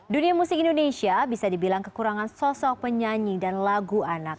dunia musik indonesia bisa dibilang kekurangan sosok penyanyi dan lagu anak